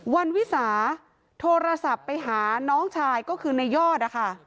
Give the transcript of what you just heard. วรรณวิสาโทรศัพท์ไปหาน้องชายคือในยอด